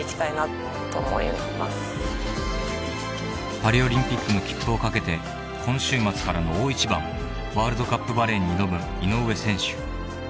［パリオリンピックの切符をかけて今週末からの大一番ワールドカップバレーに挑む井上選手］